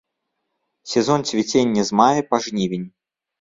Сезон цвіцення з мая па жнівень.